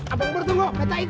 abang pur tunggu betes nih